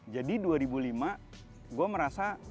jadi dua ribu lima gue merasa